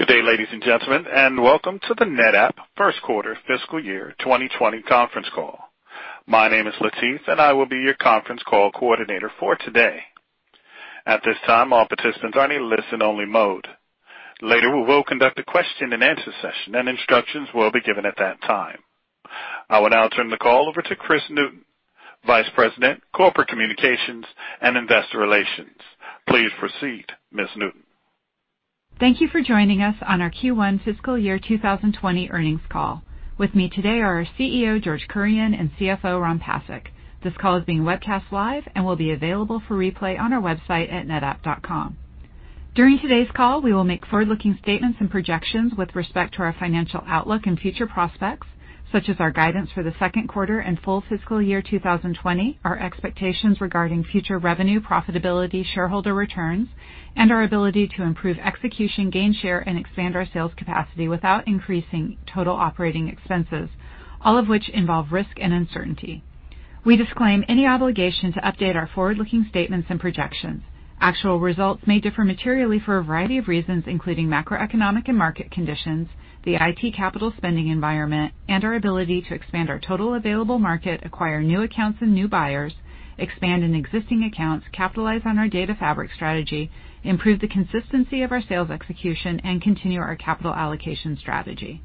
Good day, ladies and gentlemen, and welcome to the NetApp first quarter fiscal year 2020 conference call. My name is Latif, and I will be your conference call coordinator for today. At this time, all participants are in a listen-only mode. Later, we will conduct a question-and-answer session, and instructions will be given at that time. I will now turn the call over to Kris Newton, Vice President, Corporate Communications and Investor Relations. Please proceed, Ms. Newton. Thank you for joining us on our Q1 fiscal year 2020 earnings call. With me today are our CEO, George Kurian, and CFO, Ron Pasek. This call is being webcast live and will be available for replay on our website at netapp.com. During today's call, we will make forward-looking statements and projections with respect to our financial outlook and future prospects, such as our guidance for the second quarter and full fiscal year 2020, our expectations regarding future revenue, profitability, shareholder returns, and our ability to improve execution, gain share, and expand our sales capacity without increasing total operating expenses, all of which involve risk and uncertainty. We disclaim any obligation to update our forward-looking statements and projections. Actual results may differ materially for a variety of reasons, including macroeconomic and market conditions, the IT capital spending environment, and our ability to expand our total available market, acquire new accounts and new buyers, expand in existing accounts, capitalize on our Data Fabric strategy, improve the consistency of our sales execution, and continue our capital allocation strategy.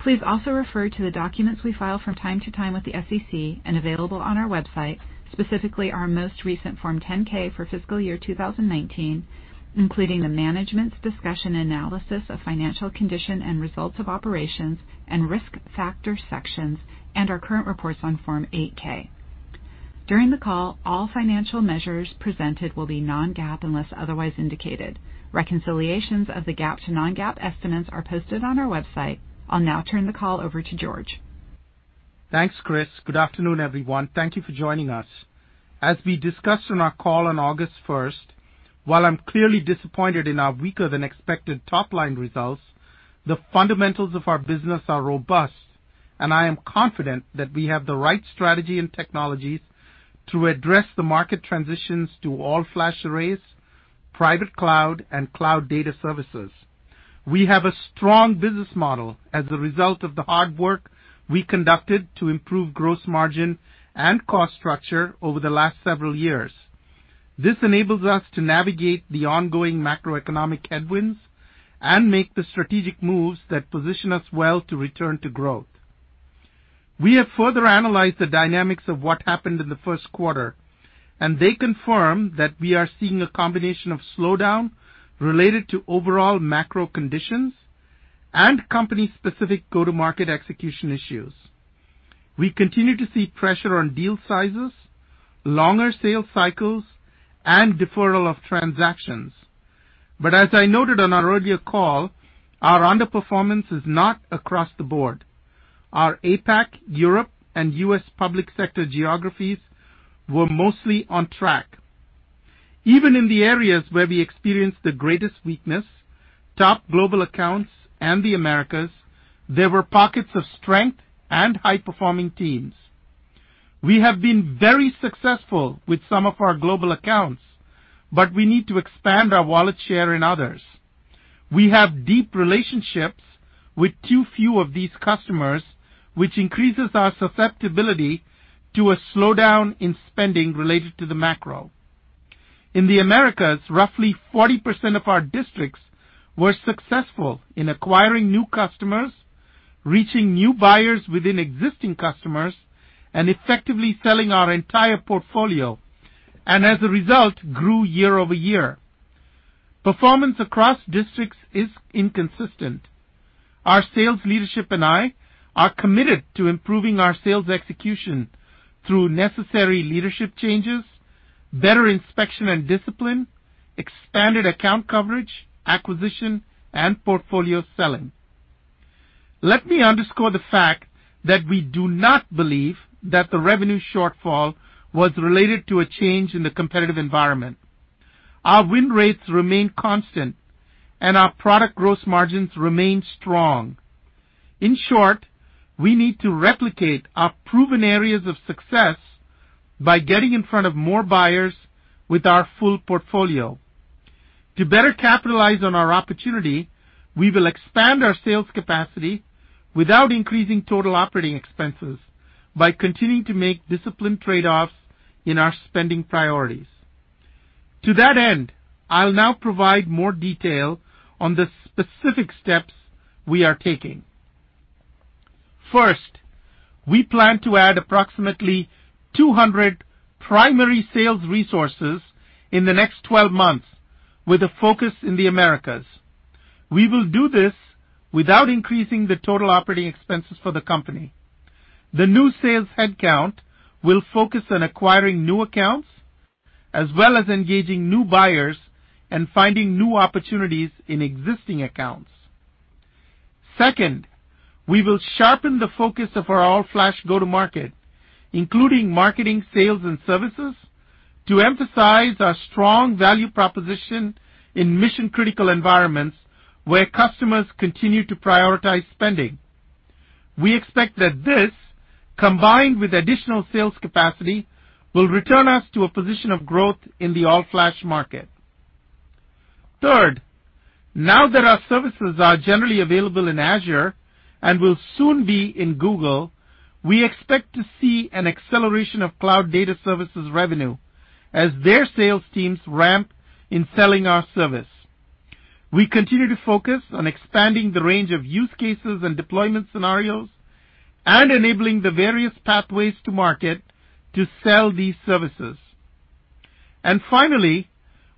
Please also refer to the documents we file from time to time with the SEC and available on our website, specifically our most recent Form 10-K for fiscal year 2019, including the management's discussion and analysis of financial condition and results of operations and risk factor sections, and our current reports on Form 8-K. During the call, all financial measures presented will be non-GAAP unless otherwise indicated. Reconciliations of the GAAP to non-GAAP estimates are posted on our website. I'll now turn the call over to George. Thanks, Kris. Good afternoon, everyone. Thank you for joining us. As we discussed in our call on August 1st, while I'm clearly disappointed in our weaker-than-expected top-line results, the fundamentals of our business are robust, and I am confident that we have the right strategy and technologies to address the market transitions to all-flash arrays, private cloud, and Cloud Data Services. We have a strong business model as a result of the hard work we conducted to improve gross margin and cost structure over the last several years. This enables us to navigate the ongoing macroeconomic headwinds and make the strategic moves that position us well to return to growth. We have further analyzed the dynamics of what happened in the first quarter, and they confirm that we are seeing a combination of slowdown related to overall macro conditions and company-specific go-to-market execution issues. We continue to see pressure on deal sizes, longer sales cycles, and deferral of transactions. As I noted on our earlier call, our underperformance is not across the board. Our APAC, Europe, and U.S. Public Sector geographies were mostly on track. Even in the areas where we experienced the greatest weakness, top global accounts, and the Americas, there were pockets of strength and high-performing teams. We have been very successful with some of our global accounts, but we need to expand our wallet share in others. We have deep relationships with too few of these customers, which increases our susceptibility to a slowdown in spending related to the macro. In the Americas, roughly 40% of our districts were successful in acquiring new customers, reaching new buyers within existing customers, and effectively selling our entire portfolio, and as a result, grew year-over-year. Performance across districts is inconsistent. Our sales leadership and I are committed to improving our sales execution through necessary leadership changes, better inspection and discipline, expanded account coverage, acquisition, and portfolio selling. Let me underscore the fact that we do not believe that the revenue shortfall was related to a change in the competitive environment. Our win rates remain constant, and our product gross margins remain strong. In short, we need to replicate our proven areas of success by getting in front of more buyers with our full portfolio. To better capitalize on our opportunity, we will expand our sales capacity without increasing total operating expenses by continuing to make disciplined trade-offs in our spending priorities. To that end, I'll now provide more detail on the specific steps we are taking. First, we plan to add approximately 200 primary sales resources in the next 12 months, with a focus in the Americas. We will do this without increasing the total operating expenses for the company. The new sales headcount will focus on acquiring new accounts, as well as engaging new buyers and finding new opportunities in existing accounts. Second, we will sharpen the focus of our all-flash go-to-market, including marketing, sales, and services, to emphasize our strong value proposition in mission-critical environments where customers continue to prioritize spending. We expect that this, combined with additional sales capacity, will return us to a position of growth in the all-flash market. Third, now that our services are generally available in Azure and will soon be in Google, we expect to see an acceleration of Cloud Data Services revenue as their sales teams ramp in selling our service. We continue to focus on expanding the range of use cases and deployment scenarios and enabling the various pathways to market to sell these services. Finally,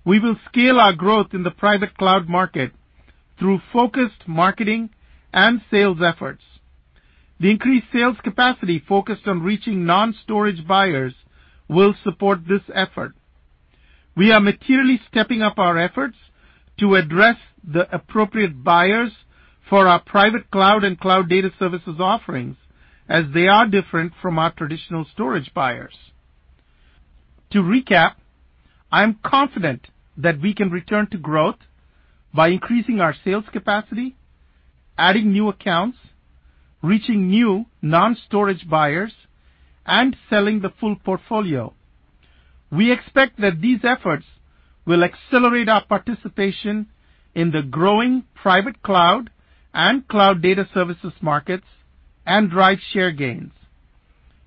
we will scale our growth in the private cloud market through focused marketing and sales efforts. The increased sales capacity focused on reaching non-storage buyers will support this effort. We are materially stepping up our efforts to address the appropriate buyers for our private cloud and Cloud Data Services offerings, as they are different from our traditional storage buyers. To recap, I'm confident that we can return to growth by increasing our sales capacity, adding new accounts, reaching new non-storage buyers, and selling the full portfolio. We expect that these efforts will accelerate our participation in the growing private cloud and Cloud Data Services markets and drive share gains.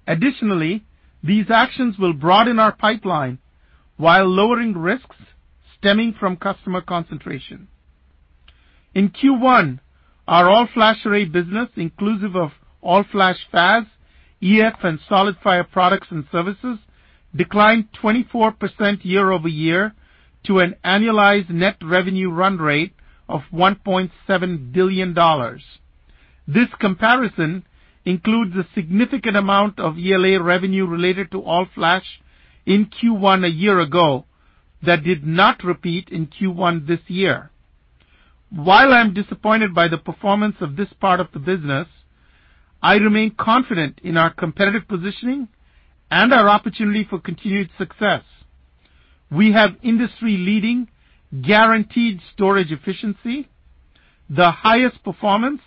Additionally, these actions will broaden our pipeline while lowering risks stemming from customer concentration. In Q1, our all-flash array business, inclusive of All Flash FAS, EF, and SolidFire products and services, declined 24% year-over-year to an annualized net revenue run rate of $1.7 billion. This comparison includes a significant amount of ELA revenue related to all-flash in Q1 a year ago that did not repeat in Q1 this year. While I'm disappointed by the performance of this part of the business, I remain confident in our competitive positioning and our opportunity for continued success. We have industry-leading guaranteed storage efficiency, the highest performance,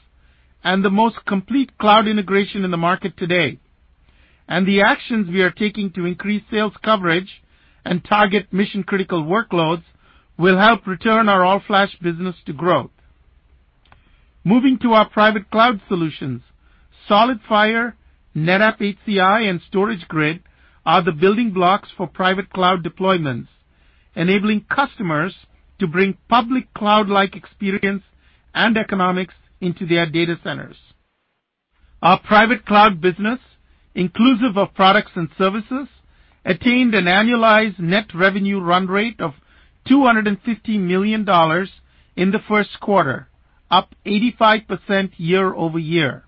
and the most complete cloud integration in the market today. The actions we are taking to increase sales coverage and target mission-critical workloads will help return our all-flash business to growth. Moving to our private cloud solutions, SolidFire, NetApp HCI, and StorageGRID are the building blocks for private cloud deployments, enabling customers to bring public cloud-like experience and economics into their data centers. Our private cloud business, inclusive of products and services, attained an annualized net revenue run rate of $250 million in the first quarter, up 85% year-over-year.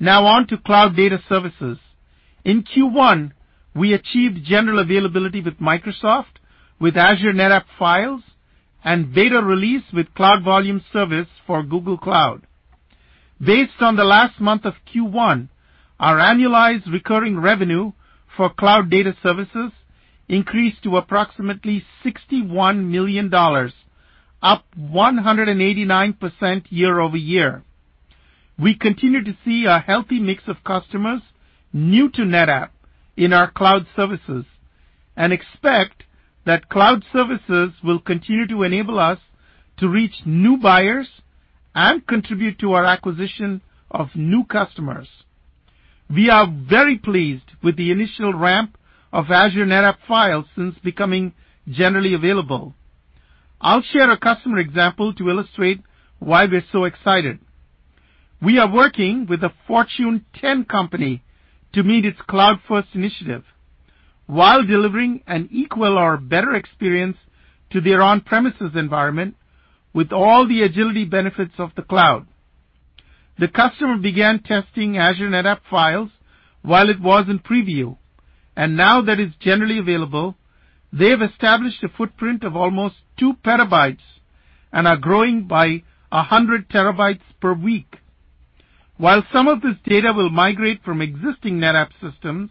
Now on to Cloud Data Services. In Q1, we achieved general availability with Microsoft, with Azure NetApp Files, and beta release with Cloud Volumes Service for Google Cloud. Based on the last month of Q1, our annualized recurring revenue for Cloud Data Services increased to approximately $61 million, up 189% year-over-year. We continue to see a healthy mix of customers new to NetApp in our cloud services and expect that cloud services will continue to enable us to reach new buyers and contribute to our acquisition of new customers. We are very pleased with the initial ramp of Azure NetApp Files since becoming generally available. I'll share a customer example to illustrate why we're so excited. We are working with a Fortune 10 company to meet its cloud-first initiative while delivering an equal or better experience to their on-premises environment with all the agility benefits of the cloud. The customer began testing Azure NetApp Files while it was in preview, and now that it's generally available, they've established a footprint of almost 2 PB and are growing by 100 TB per week. While some of this data will migrate from existing NetApp systems,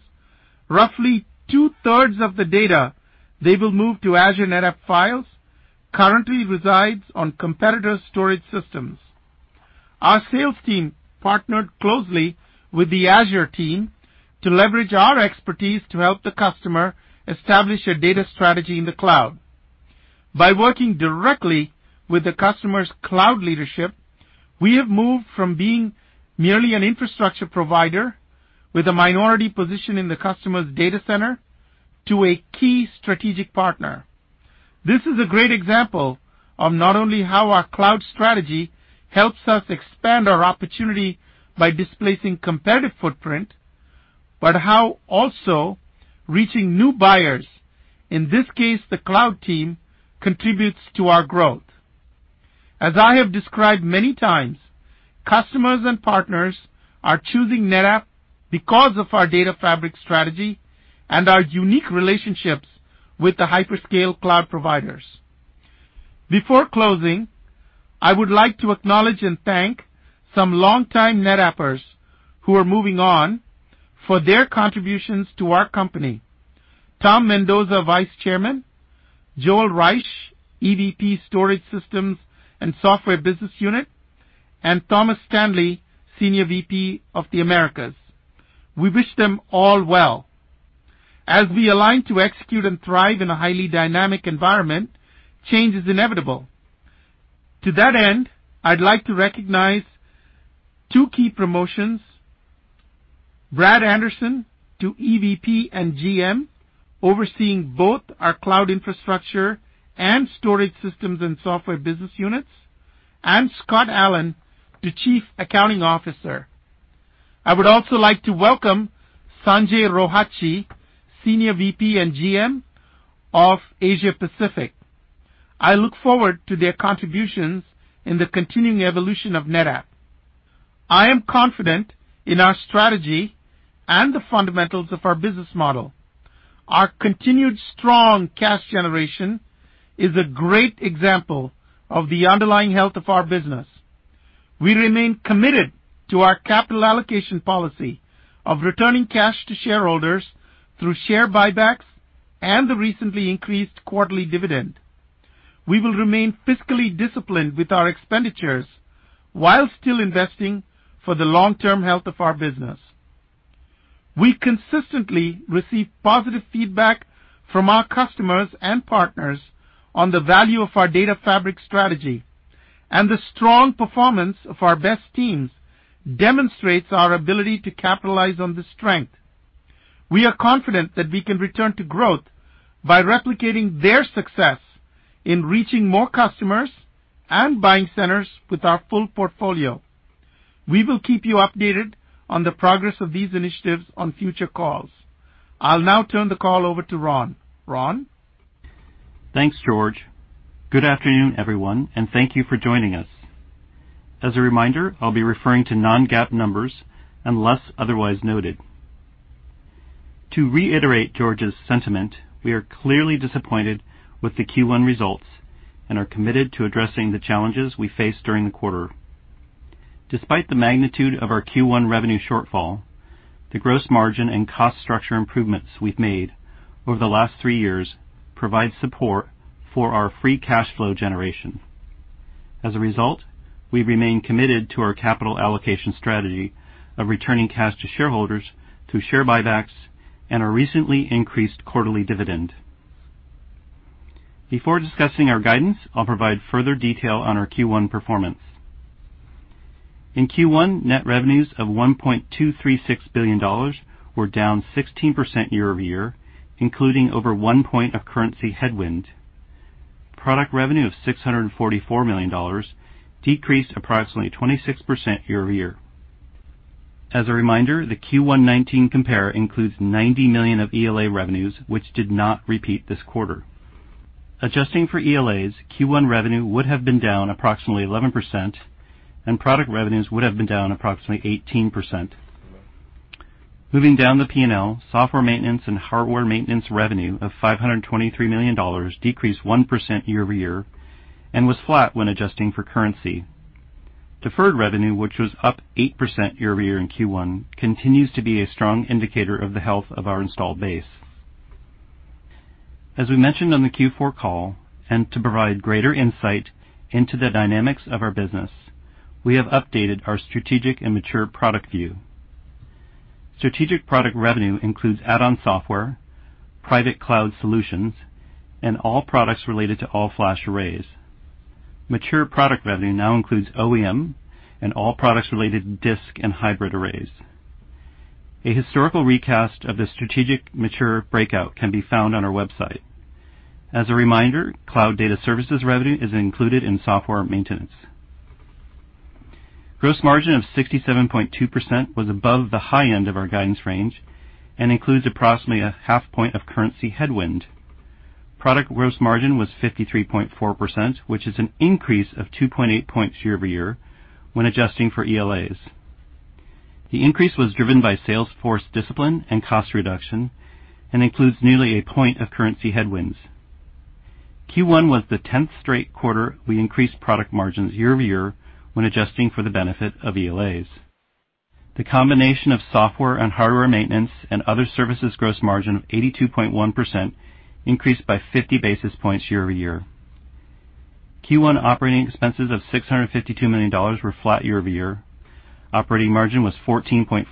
roughly 2/3 of the data they will move to Azure NetApp Files currently resides on competitor storage systems. Our sales team partnered closely with the Azure team to leverage our expertise to help the customer establish a data strategy in the cloud. By working directly with the customer's cloud leadership, we have moved from being merely an infrastructure provider with a minority position in the customer's data center to a key strategic partner. This is a great example of not only how our cloud strategy helps us expand our opportunity by displacing competitive footprint, but how also reaching new buyers, in this case, the cloud team, contributes to our growth. As I have described many times, customers and partners are choosing NetApp because of our Data Fabric strategy and our unique relationships with the hyperscale cloud providers. Before closing, I would like to acknowledge and thank some longtime NetAppers who are moving on for their contributions to our company: Tom Mendoza, Vice Chairman; Joel Reich, EVP Storage Systems and Software Business Unit; and Thomas Stanley, Senior VP of the Americas. We wish them all well. As we align to execute and thrive in a highly dynamic environment, change is inevitable. To that end, I'd like to recognize two key promotions: Brad Anderson to EVP and GM, overseeing both our Cloud Infrastructure and Storage Systems and Software business units, and Scott Allen to Chief Accounting Officer. I would also like to welcome Sanjay Rohatgi, Senior VP and GM of Asia Pacific. I look forward to their contributions in the continuing evolution of NetApp. I am confident in our strategy and the fundamentals of our business model. Our continued strong cash generation is a great example of the underlying health of our business. We remain committed to our capital allocation policy of returning cash to shareholders through share buybacks and the recently increased quarterly dividend. We will remain fiscally disciplined with our expenditures while still investing for the long-term health of our business. We consistently receive positive feedback from our customers and partners on the value of our Data Fabric strategy, and the strong performance of our best teams demonstrates our ability to capitalize on this strength. We are confident that we can return to growth by replicating their success in reaching more customers and buying centers with our full portfolio. We will keep you updated on the progress of these initiatives on future calls. I'll now turn the call over to Ron. Ron? Thanks, George. Good afternoon, everyone, and thank you for joining us. As a reminder, I'll be referring to non-GAAP numbers unless otherwise noted. To reiterate George's sentiment, we are clearly disappointed with the Q1 results and are committed to addressing the challenges we faced during the quarter. Despite the magnitude of our Q1 revenue shortfall, the gross margin and cost structure improvements we've made over the last three years provide support for our free cash flow generation. As a result, we remain committed to our capital allocation strategy of returning cash to shareholders through share buybacks and our recently increased quarterly dividend. Before discussing our guidance, I'll provide further detail on our Q1 performance. In Q1, net revenues of $1.236 billion were down 16% year-over-year, including over one point of currency headwind. Product revenue of $644 million decreased approximately 26% year-over-year. As a reminder, the Q1 2019 compare includes $90 million of ELA revenues, which did not repeat this quarter. Adjusting for ELAs, Q1 revenue would have been down approximately 11%, and product revenues would have been down approximately 18%. Moving down the P&L, software maintenance and hardware maintenance revenue of $523 million decreased 1% year-over-year and was flat when adjusting for currency. Deferred revenue, which was up 8% year-over-year in Q1, continues to be a strong indicator of the health of our installed base. As we mentioned on the Q4 call, and to provide greater insight into the dynamics of our business, we have updated our strategic and mature product view. Strategic product revenue includes add-on software, private cloud solutions, and all products related to all-flash arrays. Mature product revenue now includes OEM and all products related to disk and hybrid arrays. A historical recast of the strategic mature breakout can be found on our website. As a reminder, Cloud Data Services revenue is included in software maintenance. Gross margin of 67.2% was above the high end of our guidance range and includes approximately a half point of currency headwind. Product gross margin was 53.4%, which is an increase of 2.8 points year-over-year when adjusting for ELAs. The increase was driven by sales force discipline and cost reduction and includes nearly a point of currency headwinds. Q1 was the 10th straight quarter we increased product margins year-over-year when adjusting for the benefit of ELAs. The combination of software and hardware maintenance and other services gross margin of 82.1% increased by 50 basis points year-over-year. Q1 operating expenses of $652 million were flat year-over-year. Operating margin was 14.4%.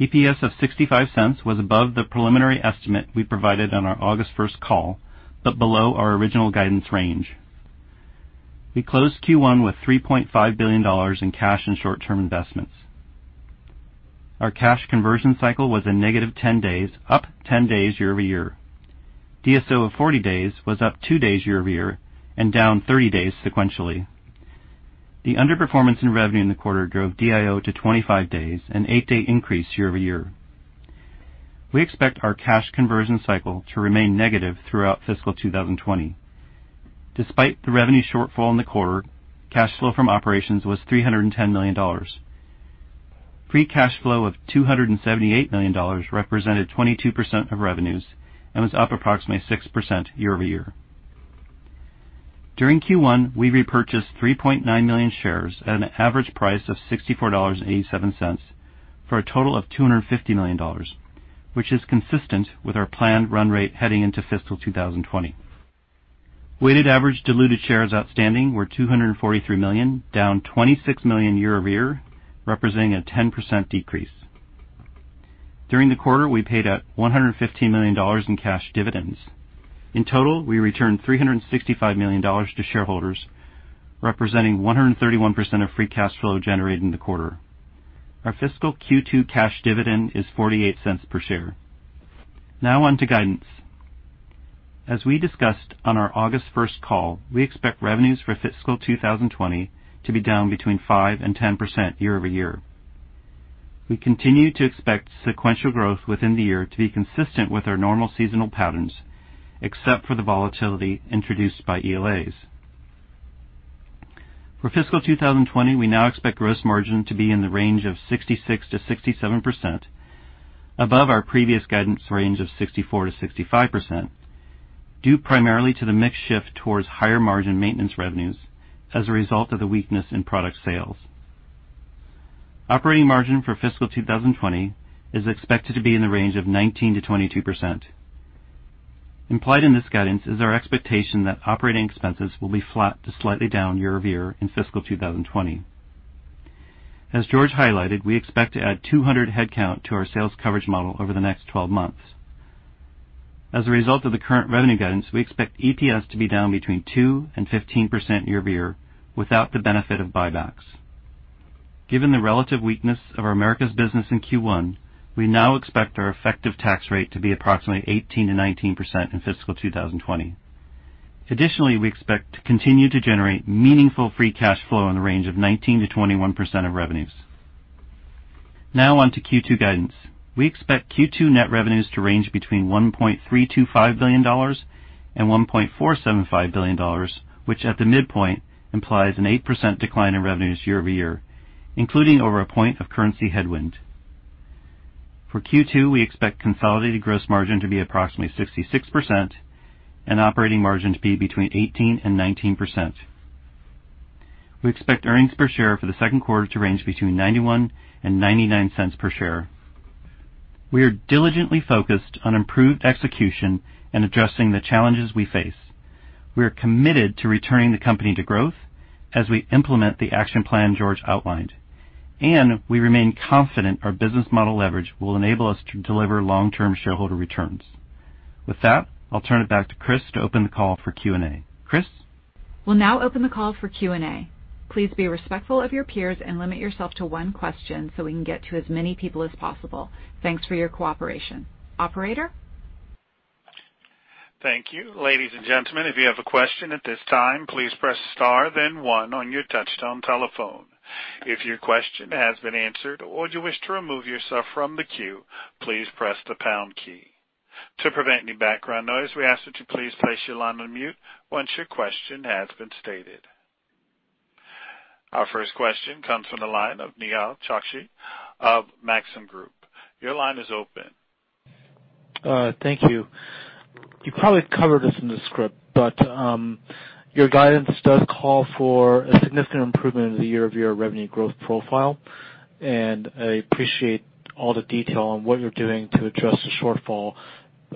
EPS of $0.65 was above the preliminary estimate we provided on our August 1st call, but below our original guidance range. We closed Q1 with $3.5 billion in cash and short-term investments. Our cash conversion cycle was a negative 10 days, up 10 days year-over-year. DSO of 40 days was up 2 days year-over-year and down 30 days sequentially. The underperformance in revenue in the quarter drove DIO to 25 days, an 8-day increase year-over-year. We expect our cash conversion cycle to remain negative throughout fiscal 2020. Despite the revenue shortfall in the quarter, cash flow from operations was $310 million. Free cash flow of $278 million represented 22% of revenues and was up approximately 6% year-over-year. During Q1, we repurchased 3.9 million shares at an average price of $64.87 for a total of $250 million, which is consistent with our planned run rate heading into fiscal 2020. Weighted average diluted shares outstanding were 243 million, down 26 million year-over-year, representing a 10% decrease. During the quarter, we paid out $115 million in cash dividends. In total, we returned $365 million to shareholders, representing 131% of free cash flow generated in the quarter. Our fiscal Q2 cash dividend is $0.48 per share. Now on to guidance. As we discussed on our August 1st call, we expect revenues for fiscal 2020 to be down between 5% and 10% year-over-year. We continue to expect sequential growth within the year to be consistent with our normal seasonal patterns, except for the volatility introduced by ELAs. For fiscal 2020, we now expect gross margin to be in the range of 66%-67%, above our previous guidance range of 64%-65%, due primarily to the mix shift towards higher margin maintenance revenues as a result of the weakness in product sales. Operating margin for fiscal 2020 is expected to be in the range of 19%-22%. Implied in this guidance is our expectation that operating expenses will be flat to slightly down year-over-year in fiscal 2020. As George highlighted, we expect to add 200 headcount to our sales coverage model over the next 12 months. As a result of the current revenue guidance, we expect EPS to be down between 2% and 15% year-over-year without the benefit of buybacks. Given the relative weakness of our Americas business in Q1, we now expect our effective tax rate to be approximately 18%-19% in fiscal 2020. Additionally, we expect to continue to generate meaningful free cash flow in the range of 19%-21% of revenues. Now on to Q2 guidance. We expect Q2 net revenues to range between $1.325 billion and $1.475 billion, which at the midpoint implies an 8% decline in revenues year-over-year, including over a point of currency headwind. For Q2, we expect consolidated gross margin to be approximately 66% and operating margin to be between 18%-19%. We expect earnings per share for the second quarter to range between $0.91 and $0.99 per share. We are diligently focused on improved execution and addressing the challenges we face. We are committed to returning the company to growth as we implement the action plan George outlined, and we remain confident our business model leverage will enable us to deliver long-term shareholder returns. With that, I'll turn it back to Kris to open the call for Q&A. Kris? We'll now open the call for Q&A. Please be respectful of your peers and limit yourself to one question so we can get to as many people as possible. Thanks for your cooperation. Operator? Thank you. Ladies and gentlemen, if you have a question at this time, please press star, then one on your touch-tone telephone. If your question has been answered or you wish to remove yourself from the queue, please press the pound key. To prevent any background noise, we ask that you please place your line on mute once your question has been stated. Our first question comes from the line of Nehal Chokshi of Maxim Group. Your line is open. Thank you. You probably covered this in the script, but your guidance does call for a significant improvement in the year-over-year revenue growth profile, and I appreciate all the detail on what you're doing to address the shortfall.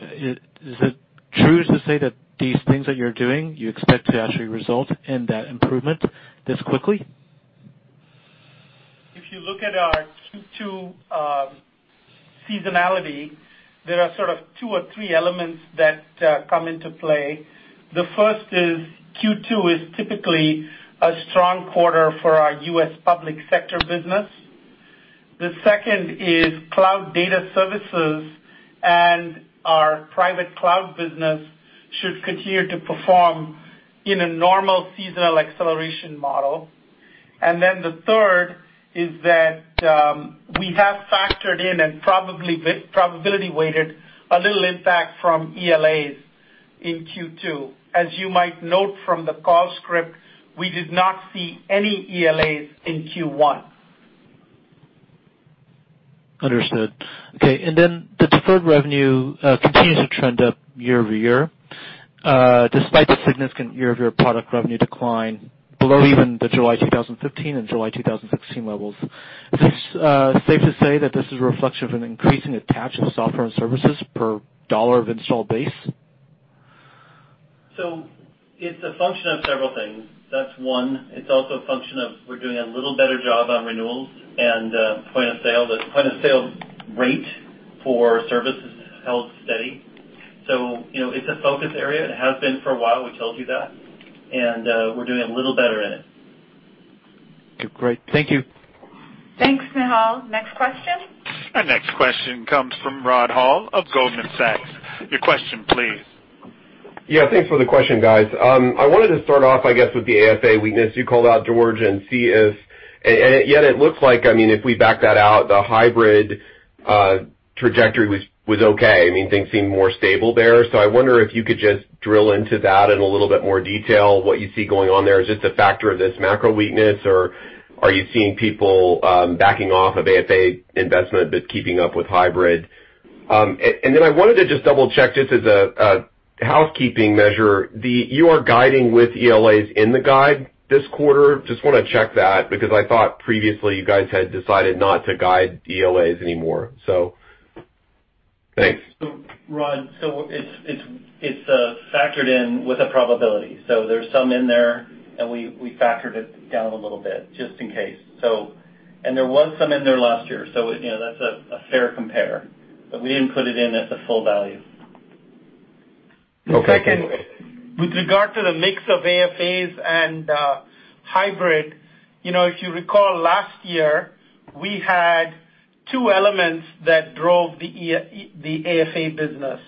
Is it true to say that these things that you're doing, you expect to actually result in that improvement this quickly? If you look at our Q2 seasonality, there are sort of two or three elements that come into play. The first is Q2 is typically a strong quarter for our U.S. Public Sector business. The second is Cloud Data Services, and our Private Cloud business should continue to perform in a normal seasonal acceleration model. The third is that we have factored in and probably probability-weighted a little impact from ELAs in Q2. As you might note from the call script, we did not see any ELAs in Q1. Understood. Okay. The deferred revenue continues to trend up year-over-year, despite the significant year-over-year product revenue decline below even the July 2015 and July 2016 levels. Is it safe to say that this is a reflection of an increasing attach of software and services per dollar of installed base? It is a function of several things. That is one. It is also a function of we are doing a little better job on renewals and point of sale. The point of sale rate for services held steady. It is a focus area. It has been for a while. We told you that, and we are doing a little better in it. Great. Thank you. Thanks, Nehal. Next question? Our next question comes from Rod Hall of Goldman Sachs. Your question, please. Yeah. Thanks for the question, guys. I wanted to start off, I guess, with the AFA weakness. You called out geos and CS, and yet it looked like, I mean, if we back that out, the hybrid trajectory was okay. I mean, things seemed more stable there. I wonder if you could just drill into that in a little bit more detail. What you see going on there? Is this a factor of this macro weakness, or are you seeing people backing off of AFA investment but keeping up with hybrid? I wanted to just double-check this as a housekeeping measure. You are guiding with ELAs in the guide this quarter. Just want to check that because I thought previously you guys had decided not to guide ELAs anymore. Thanks. Rod, it's factored in with a probability. There's some in there, and we factored it down a little bit just in case. There was some in there last year, so that's a fair compare, but we didn't put it in at the full value. Okay. Second, with regard to the mix of AFAs and hybrid, if you recall last year, we had two elements that drove the AFA business.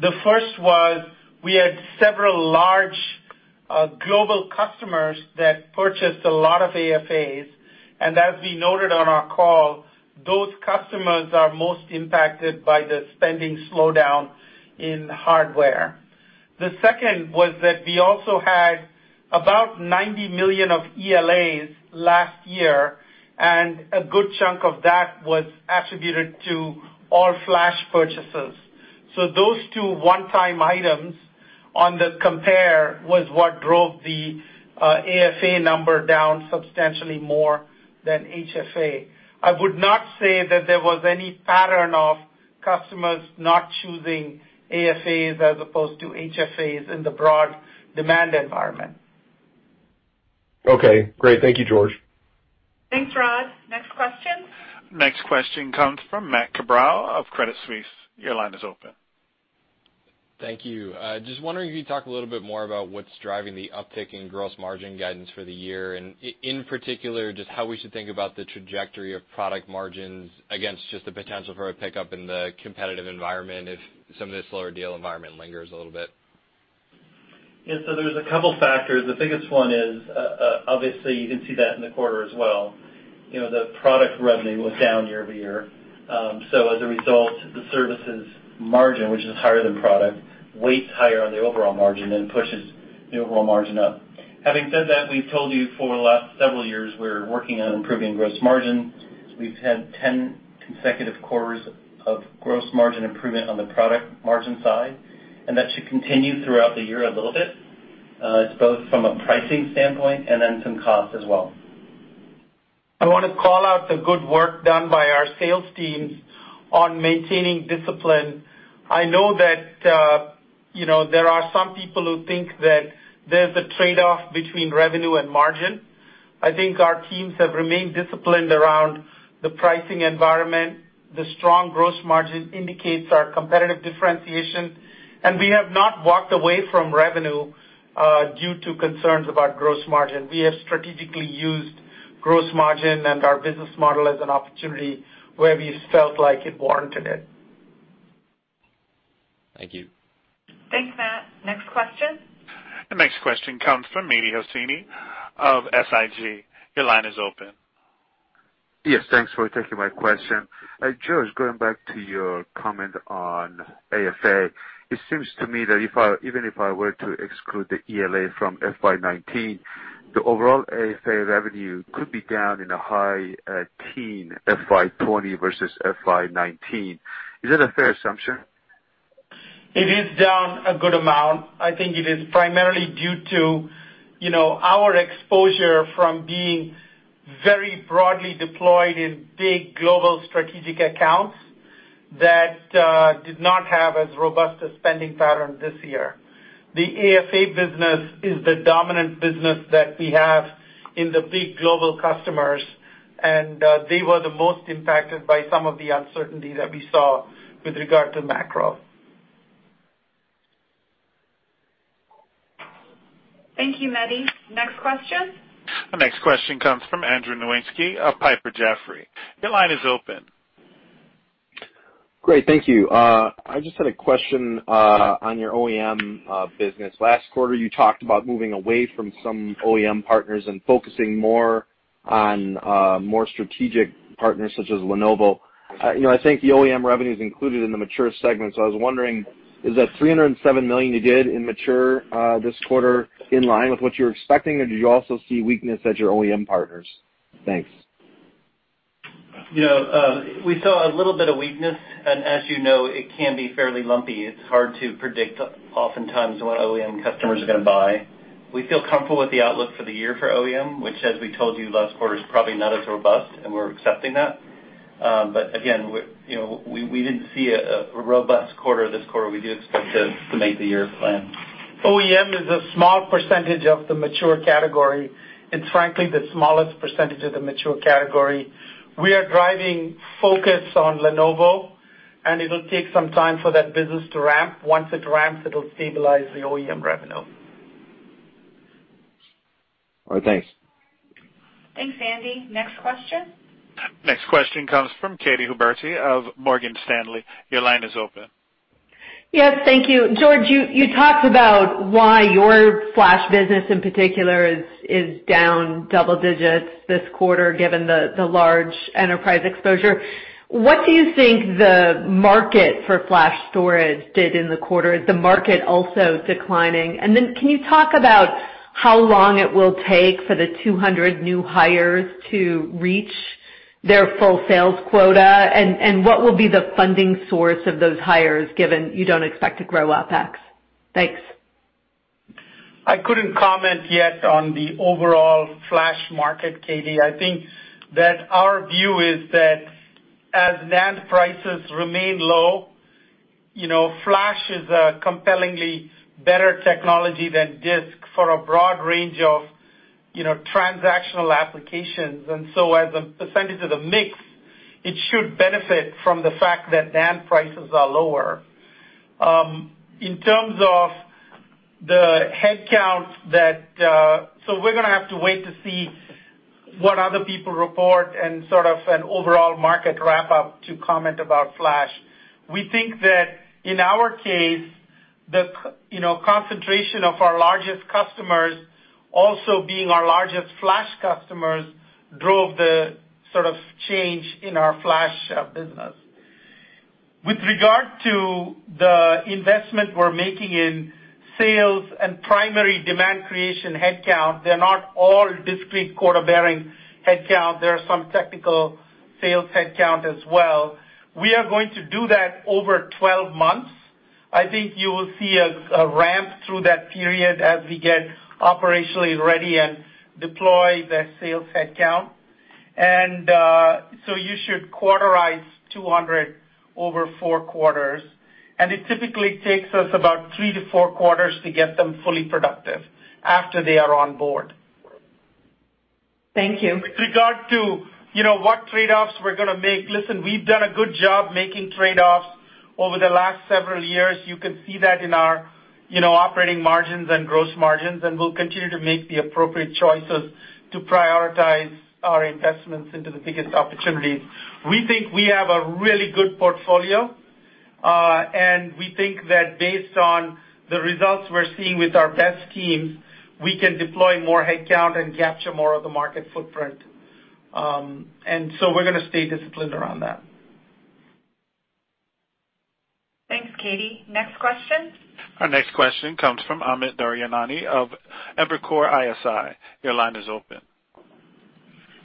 The first was we had several large global customers that purchased a lot of AFAs, and as we noted on our call, those customers are most impacted by the spending slowdown in hardware. The second was that we also had about $90 million of ELAs last year, and a good chunk of that was attributed to all-flash purchases. Those two one-time items on the compare was what drove the AFA number down substantially more than HFA. I would not say that there was any pattern of customers not choosing AFAs as opposed to HFAs in the broad demand environment. Okay. Great. Thank you, George. Thanks, Rod. Next question. Next question comes from Matt Cabral of Credit Suisse. Your line is open. Thank you. Just wondering if you could talk a little bit more about what's driving the uptick in gross margin guidance for the year, and in particular, just how we should think about the trajectory of product margins against just the potential for a pickup in the competitive environment if some of this lower deal environment lingers a little bit. Yeah. There are a couple of factors. The biggest one is, obviously, you can see that in the quarter as well. The product revenue was down year-over-year. As a result, the services margin, which is higher than product, weights higher on the overall margin and pushes the overall margin up. Having said that, we've told you for the last several years we're working on improving gross margin. We've had 10 consecutive quarters of gross margin improvement on the product margin side, and that should continue throughout the year a little bit. It's both from a pricing standpoint and then some cost as well. I want to call out the good work done by our sales teams on maintaining discipline. I know that there are some people who think that there's a trade-off between revenue and margin. I think our teams have remained disciplined around the pricing environment. The strong gross margin indicates our competitive differentiation, and we have not walked away from revenue due to concerns about gross margin. We have strategically used gross margin and our business model as an opportunity where we felt like it warranted it. Thank you. Thanks, Matt. Next question. Next question comes from Mehdi Hosseini of SIG. Your line is open. Yes. Thanks for taking my question. George, going back to your comment on AFA, it seems to me that even if I were to exclude the ELA from FY2019, the overall AFA revenue could be down in a high teen, FY2020 versus FY2019. Is that a fair assumption? It is down a good amount. I think it is primarily due to our exposure from being very broadly deployed in big global strategic accounts that did not have as robust a spending pattern this year. The AFA business is the dominant business that we have in the big global customers, and they were the most impacted by some of the uncertainty that we saw with regard to macro. Thank you, Mehdi. Next question. Next question comes from Andrew Nowinski of Piper Jaffray. Your line is open. Great. Thank you. I just had a question on your OEM business. Last quarter, you talked about moving away from some OEM partners and focusing more on more strategic partners such as Lenovo. I think the OEM revenue is included in the mature segment, so I was wondering, is that $307 million you did in mature this quarter in line with what you were expecting, or did you also see weakness at your OEM partners? Thanks. We saw a little bit of weakness, and as you know, it can be fairly lumpy. It's hard to predict oftentimes what OEM customers are going to buy. We feel comfortable with the outlook for the year for OEM, which, as we told you last quarter, is probably not as robust, and we're accepting that. Again, we didn't see a robust quarter this quarter. We do expect to make the year plan. OEM is a small percentage of the mature category. It's frankly the smallest percentage of the mature category. We are driving focus on Lenovo, and it'll take some time for that business to ramp. Once it ramps, it'll stabilize the OEM revenue. All right. Thanks. Thanks, Andy. Next question. Next question comes from Katy Huberty of Morgan Stanley. Your line is open. Yes. Thank you. George, you talked about why your flash business in particular is down double digits this quarter given the large enterprise exposure. What do you think the market for flash storage did in the quarter? Is the market also declining? Can you talk about how long it will take for the 200 new hires to reach their full sales quota, and what will be the funding source of those hires given you do not expect to grow OpEx? Thanks. I couldn't comment yet on the overall flash market, Katy. I think that our view is that as NAND prices remain low, flash is a compellingly better technology than disk for a broad range of transactional applications. As a percentage of the mix, it should benefit from the fact that NAND prices are lower. In terms of the headcount, we are going to have to wait to see what other people report and sort of an overall market wrap-up to comment about flash. We think that in our case, the concentration of our largest customers, also being our largest flash customers, drove the sort of change in our flash business. With regard to the investment we're making in sales and primary demand creation headcount, they're not all discrete quota-bearing headcount. There are some technical sales headcount as well. We are going to do that over 12 months. I think you will see a ramp through that period as we get operationally ready and deploy that sales headcount. You should quarterize 200 over four quarters, and it typically takes us about three to four quarters to get them fully productive after they are on board. Thank you. With regard to what trade-offs we're going to make, listen, we've done a good job making trade-offs over the last several years. You can see that in our operating margins and gross margins, and we'll continue to make the appropriate choices to prioritize our investments into the biggest opportunities. We think we have a really good portfolio, and we think that based on the results we're seeing with our best teams, we can deploy more headcount and capture more of the market footprint. We are going to stay disciplined around that. Thanks, Katy. Next question. Our next question comes from Amit Daryanani of Evercore ISI. Your line is open.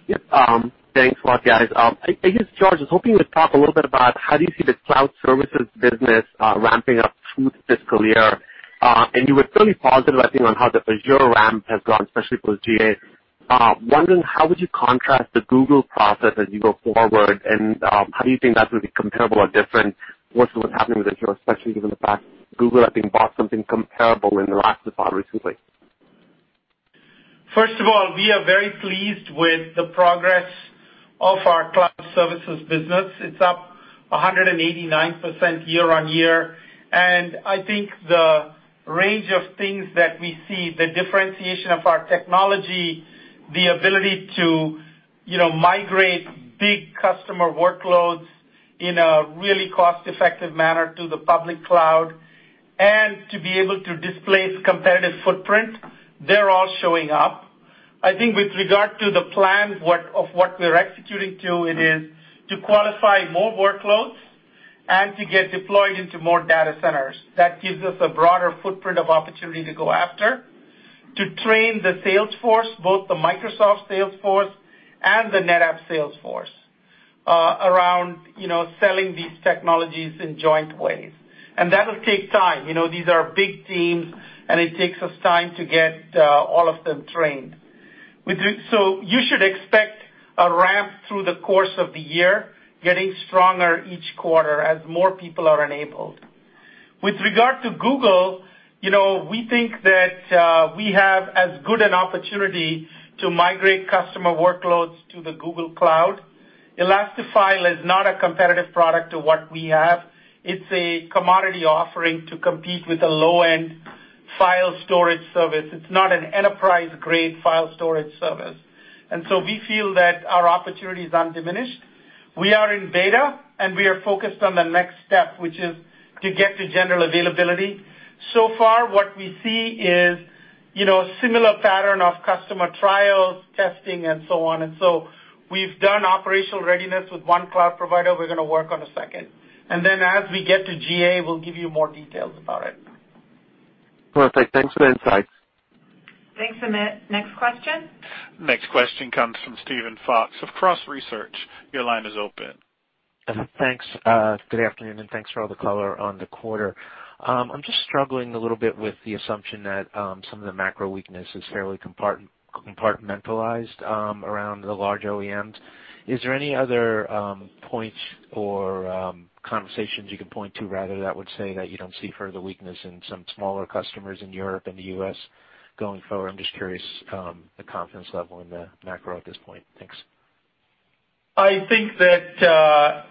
Yes. Thanks a lot, guys. I guess, George, I was hoping you would talk a little bit about how do you see the Cloud Services business ramping up through the fiscal year? You were fairly positive, I think, on how the Azure ramp has gone, especially for GA. Wondering how would you contrast the Google process as you go forward, and how do you think that would be comparable or different versus what's happening with Azure, especially given the fact Google I think bought something comparable in the last quarter recently? First of all, we are very pleased with the progress of our Cloud Services business. It's up 189% year-on-year, and I think the range of things that we see, the differentiation of our technology, the ability to migrate big customer workloads in a really cost-effective manner to the public cloud, and to be able to displace competitive footprint, they're all showing up. I think with regard to the plan of what we're executing to, it is to qualify more workloads and to get deployed into more data centers. That gives us a broader footprint of opportunity to go after, to train the sales force, both the Microsoft sales force and the NetApp sales force, around selling these technologies in joint ways. That will take time. These are big teams, and it takes us time to get all of them trained. You should expect a ramp through the course of the year, getting stronger each quarter as more people are enabled. With regard to Google, we think that we have as good an opportunity to migrate customer workloads to the Google Cloud. Elastifile is not a competitive product to what we have. It's a commodity offering to compete with a low-end file storage service. It's not an enterprise-grade file storage service. We feel that our opportunities aren't diminished. We are in beta, and we are focused on the next step, which is to get to general availability. So far, what we see is a similar pattern of customer trials, testing, and so on. We've done operational readiness with one cloud provider. We're going to work on a second. As we get to GA, we'll give you more details about it. Perfect. Thanks for the insights. Thanks, Amit. Next question. Next question comes from Steven Fox of Cross Research. Your line is open. Thanks. Good afternoon, and thanks for all the color on the quarter. I'm just struggling a little bit with the assumption that some of the macro weakness is fairly compartmentalized around the large OEMs. Is there any other points or conversations you can point to, rather, that would say that you don't see further weakness in some smaller customers in Europe and the U.S. going forward? I'm just curious the confidence level in the macro at this point. Thanks. I think that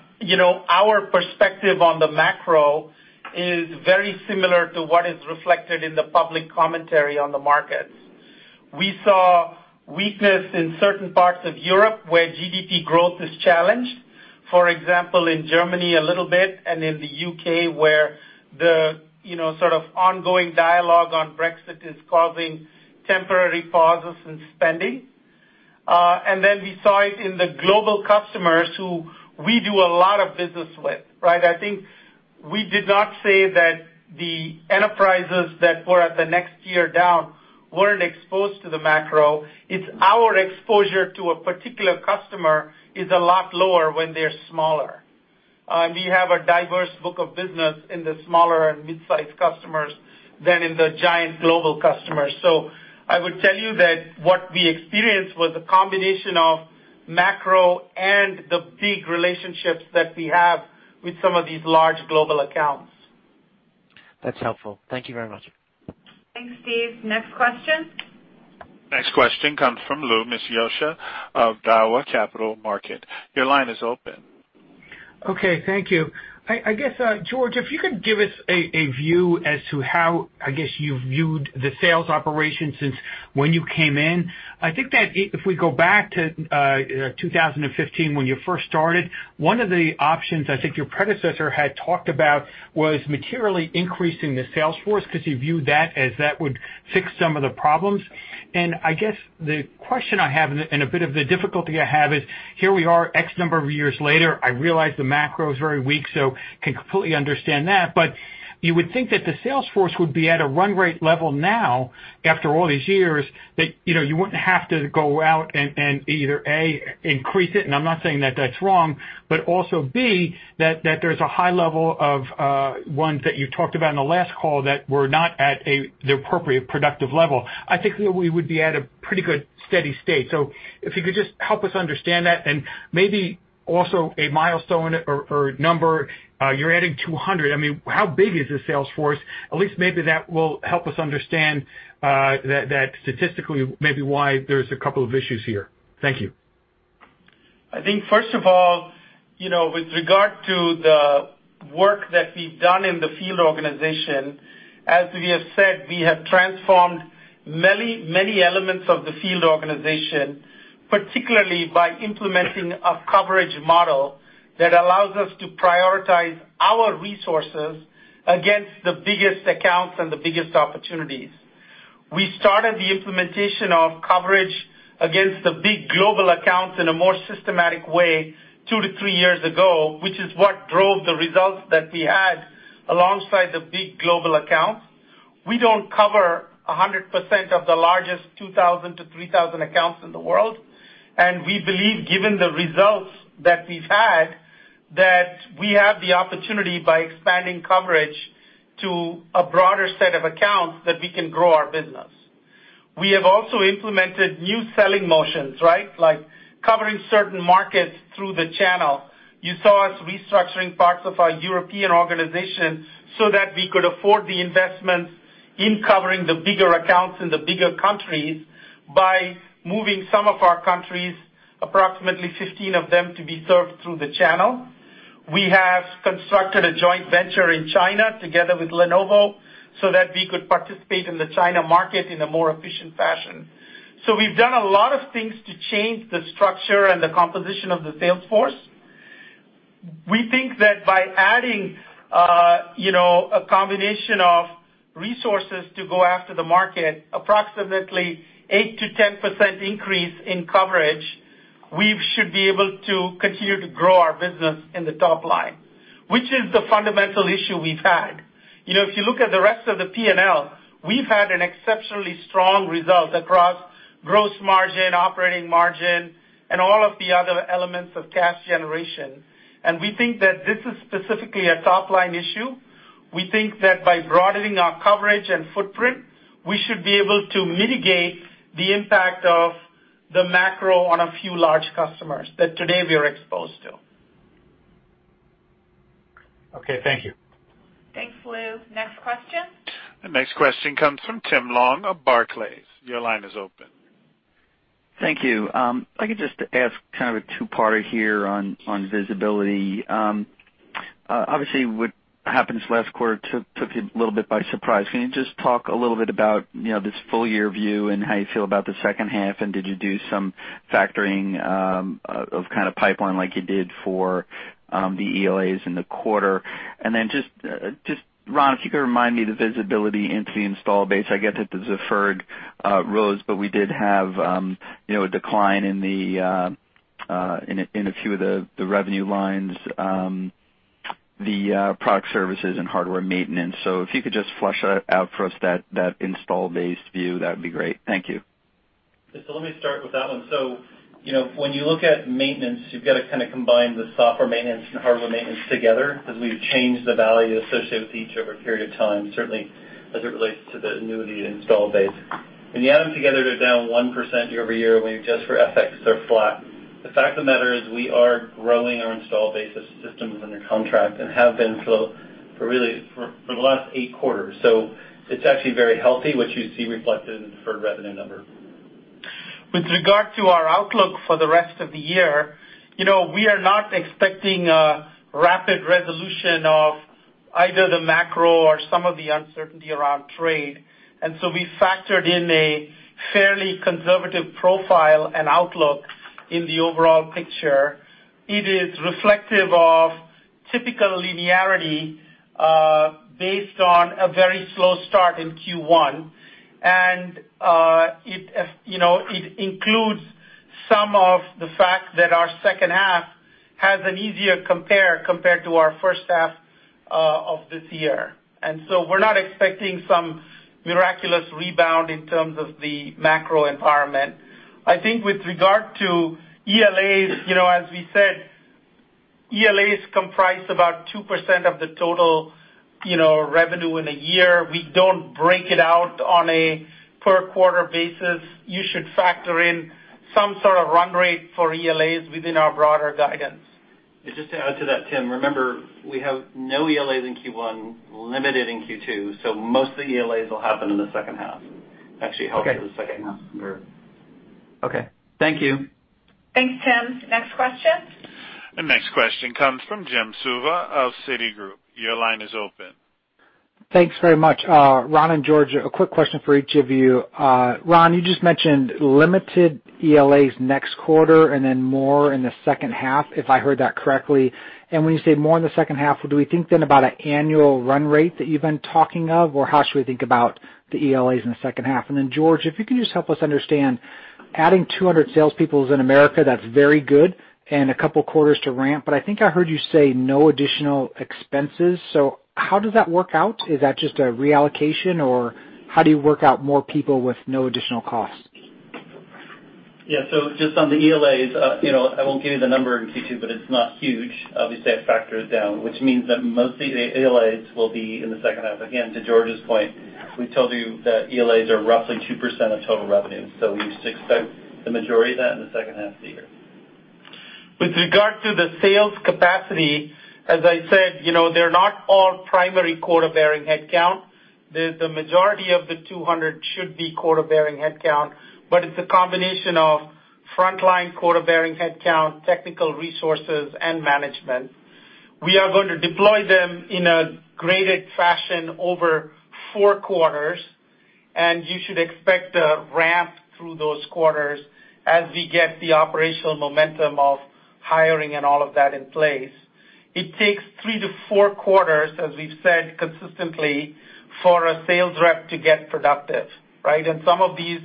our perspective on the macro is very similar to what is reflected in the public commentary on the markets. We saw weakness in certain parts of Europe where GDP growth is challenged, for example, in Germany a little bit, and in the U.K. where the sort of ongoing dialogue on Brexit is causing temporary pauses in spending. We saw it in the global customers who we do a lot of business with, right? I think we did not say that the enterprises that were at the next tier down were not exposed to the macro. It's our exposure to a particular customer that is a lot lower when they're smaller. We have a diverse book of business in the smaller and mid-sized customers than in the giant global customers. I would tell you that what we experienced was a combination of macro and the big relationships that we have with some of these large global accounts. That's helpful. Thank you very much. Thanks, Steve. Next question. Next question comes from Lou Miscioscia of Daiwa Capital Markets. Your line is open. Okay. Thank you. I guess, George, if you could give us a view as to how, I guess, you've viewed the sales operations since when you came in. I think that if we go back to 2015 when you first started, one of the options I think your predecessor had talked about was materially increasing the sales force because he viewed that as that would fix some of the problems. I guess the question I have and a bit of the difficulty I have is, here we are X number of years later. I realize the macro is very weak, so I can completely understand that. You would think that the sales force would be at a run rate level now after all these years that you would not have to go out and either, A, increase it, and I am not saying that that is wrong, but also, B, that there is a high level of ones that you have talked about in the last call that were not at the appropriate productive level. I think that we would be at a pretty good steady state. If you could just help us understand that and maybe also a milestone or number. You are adding 200. I mean, how big is the sales force? At least maybe that will help us understand that statistically, maybe why there are a couple of issues here. Thank you. I think, first of all, with regard to the work that we've done in the field organization, as we have said, we have transformed many, many elements of the field organization, particularly by implementing a coverage model that allows us to prioritize our resources against the biggest accounts and the biggest opportunities. We started the implementation of coverage against the big global accounts in a more systematic way two to three years ago, which is what drove the results that we had alongside the big global accounts. We do not cover 100% of the largest 2,000-3,000 accounts in the world, and we believe, given the results that we've had, that we have the opportunity by expanding coverage to a broader set of accounts that we can grow our business. We have also implemented new selling motions, right, like covering certain markets through the channel. You saw us restructuring parts of our European organization so that we could afford the investments in covering the bigger accounts in the bigger countries by moving some of our countries, approximately 15 of them, to be served through the channel. We have constructed a joint venture in China together with Lenovo so that we could participate in the China market in a more efficient fashion. We have done a lot of things to change the structure and the composition of the sales force. We think that by adding a combination of resources to go after the market, approximately 8%-10% increase in coverage, we should be able to continue to grow our business in the top line, which is the fundamental issue we have had. If you look at the rest of the P&L, we've had an exceptionally strong result across gross margin, operating margin, and all of the other elements of cash generation. We think that this is specifically a top-line issue. We think that by broadening our coverage and footprint, we should be able to mitigate the impact of the macro on a few large customers that today we are exposed to. Okay. Thank you. Thanks, Lou. Next question. Next question comes from Tim Long of Barclays. Your line is open. Thank you. I could just ask kind of a two-parter here on visibility. Obviously, what happened this last quarter took you a little bit by surprise. Can you just talk a little bit about this full-year view and how you feel about the second half, and did you do some factoring of kind of pipeline like you did for the ELAs in the quarter? Ron, if you could remind me the visibility into the install base. I get that the deferred rose, but we did have a decline in a few of the revenue lines, the product services, and hardware maintenance. If you could just flesh out for us that install-based view, that would be great. Thank you. Let me start with that one. When you look at maintenance, you've got to kind of combine the software maintenance and hardware maintenance together because we've changed the value associated with each over a period of time, certainly as it relates to the annuity install base. When you add them together, they're down 1% year-over-year, and just for FX they're flat. The fact of the matter is we are growing our install base of systems under contract and have been for really for the last eight quarters. It's actually very healthy, which you see reflected in the deferred revenue number. With regard to our outlook for the rest of the year, we are not expecting a rapid resolution of either the macro or some of the uncertainty around trade. We factored in a fairly conservative profile and outlook in the overall picture. It is reflective of typical linearity based on a very slow start in Q1, and it includes some of the fact that our second half has an easier compare compared to our first half of this year. We are not expecting some miraculous rebound in terms of the macro environment. I think with regard to ELAs, as we said, ELAs comprise about 2% of the total revenue in a year. We do not break it out on a per quarter basis. You should factor in some sort of run rate for ELAs within our broader guidance. Just to add to that, Tim, remember we have no ELAs in Q1, limited in Q2, so most of the ELAs will happen in the second half. Actually, it helps with the second half. Okay. Thank you. Thanks, Tim. Next question. Next question comes from Jim Suva of Citigroup. Your line is open. Thanks very much. Ron and George, a quick question for each of you. Ron, you just mentioned limited ELAs next quarter and then more in the second half, if I heard that correctly. When you say more in the second half, do we think then about an annual run rate that you've been talking of, or how should we think about the ELAs in the second half? George, if you can just help us understand, adding 200 salespeople in America, that's very good and a couple of quarters to ramp, but I think I heard you say no additional expenses. How does that work out? Is that just a reallocation, or how do you work out more people with no additional cost? Yeah. Just on the ELAs, I won't give you the number in Q2, but it's not huge. Obviously, it factors down, which means that most of the ELAs will be in the second half. Again, to George's point, we told you that ELAs are roughly 2% of total revenue. We used to expect the majority of that in the second half of the year. With regard to the sales capacity, as I said, they're not all primary quota-bearing headcount. The majority of the 200 should be quota-bearing headcount, but it's a combination of frontline quota-bearing headcount, technical resources, and management. We are going to deploy them in a graded fashion over four quarters, and you should expect a ramp through those quarters as we get the operational momentum of hiring and all of that in place. It takes three to four quarters, as we've said consistently, for a sales rep to get productive, right? Some of these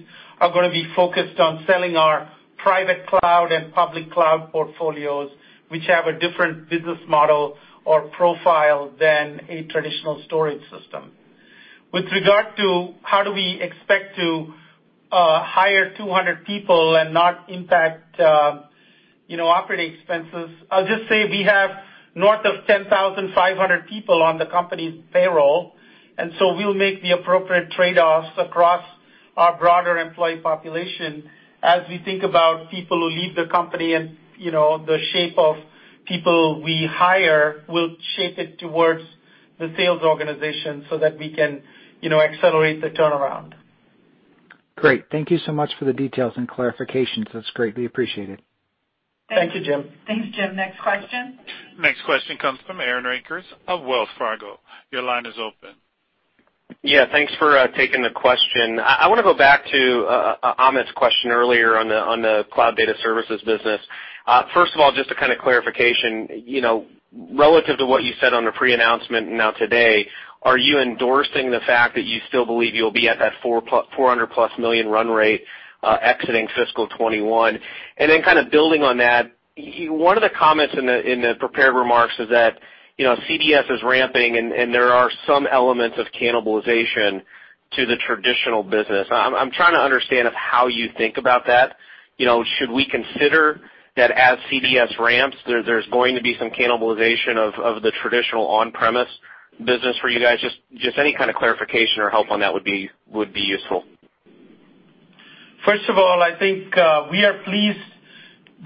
are going to be focused on selling our Private Cloud and Public Cloud portfolios, which have a different business model or profile than a traditional storage system. With regard to how do we expect to hire 200 people and not impact operating expenses, I'll just say we have north of 10,500 people on the company's payroll, and so we'll make the appropriate trade-offs across our broader employee population as we think about people who leave the company, and the shape of people we hire will shape it towards the sales organization so that we can accelerate the turnaround. Great. Thank you so much for the details and clarifications. That's greatly appreciated. Thank you, Jim. Thanks, Jim. Next question. Next question comes from Aaron Rakers of Wells Fargo. Your line is open. Yeah. Thanks for taking the question. I want to go back to Amit's question earlier on the Cloud Data Services business. First of all, just a kind of clarification, relative to what you said on the pre-announcement and now today, are you endorsing the fact that you still believe you'll be at that $400-plus million run rate exiting fiscal 2021? And then kind of building on that, one of the comments in the prepared remarks is that CDS is ramping, and there are some elements of cannibalization to the traditional business. I'm trying to understand how you think about that. Should we consider that as CDS ramps, there's going to be some cannibalization of the traditional on-premises business for you guys? Just any kind of clarification or help on that would be useful. First of all, I think we are pleased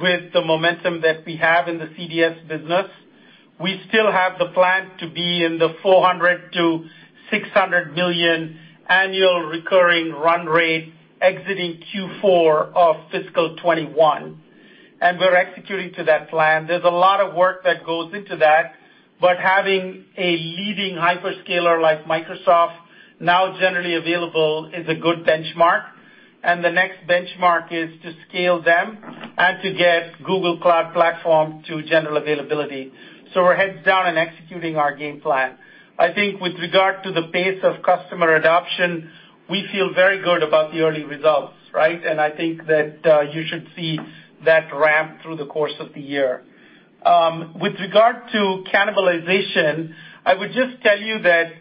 with the momentum that we have in the CDS business. We still have the plan to be in the $400 million-$600 million annual recurring run rate exiting Q4 of fiscal 2021, and we're executing to that plan. There's a lot of work that goes into that, but having a leading hyperscaler like Microsoft now generally available is a good benchmark, and the next benchmark is to scale them and to get Google Cloud Platform to general availability. We're heads down and executing our game plan. I think with regard to the pace of customer adoption, we feel very good about the early results, right? I think that you should see that ramp through the course of the year. With regard to cannibalization, I would just tell you that